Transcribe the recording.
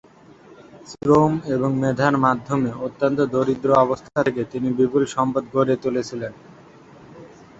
শ্রম এবং মেধার মাধ্যমে অত্যন্ত দরিদ্র অবস্থা থেকে তিনি বিপুল সম্পদ গড়ে তুলেছিলেন।